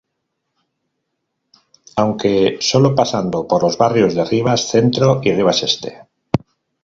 Aunque solo pasando por los barrios de Rivas Centro y Rivas Este.